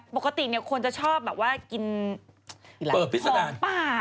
ปกติคนจะชอบแบบว่ากินของป่านึกออกไหม